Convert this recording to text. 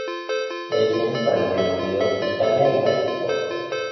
Ediciones para el Reino Unido, Italia y Países Bajos.